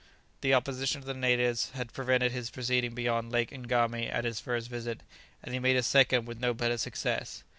The opposition of the natives had prevented his proceeding beyond Lake Ngami at his first visit, and he made a second with no better success.